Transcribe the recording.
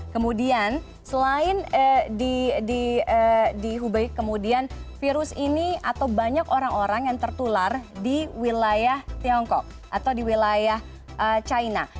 kemudian selain di hubei kemudian virus ini atau banyak orang orang yang tertular di wilayah tiongkok atau di wilayah china